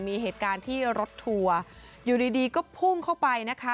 มีเหตุการณ์ที่รถทัวร์อยู่ดีก็พุ่งเข้าไปนะคะ